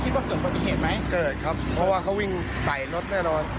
ว่าเกิดปฏิเหตุไหมเกิดครับเพราะว่าเขาวิ่งใส่รถแน่นอน